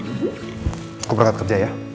aku berangkat kerja ya